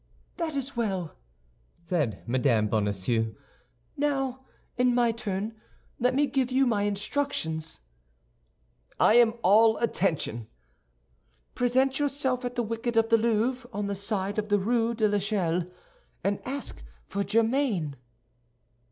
"That is well," said Mme. Bonacieux. "Now, in my turn, let me give you my instructions." "I am all attention." "Present yourself at the wicket of the Louvre, on the side of the Rue de l'Echelle, and ask for Germain."